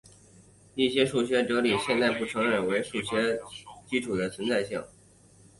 一些数学哲学的现代理论不承认这种数学基础的存在性。